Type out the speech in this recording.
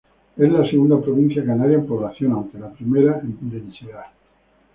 Es la segunda provincia canaria en población, aunque la primera en densidad.